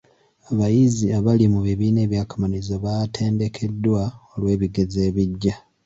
Abayizi abali mu bibiina by'akamalirizo baatendekeddwa olw'ebigezo ebijja.